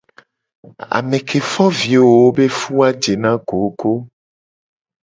Ame ke fo vi wowo be fu a jena gogo.